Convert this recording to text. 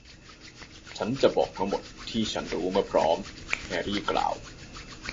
ฉันจะบอกทั้งหมดที่ฉันรู้เมื่อพร้อม แฮร์รี่กล่าว